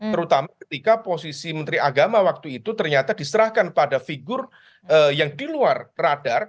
terutama ketika posisi menteri agama waktu itu ternyata diserahkan pada figur yang di luar radar